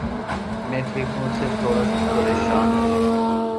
میں ٹھیک ہوں، صرف تھوڑا پریشان ہوں۔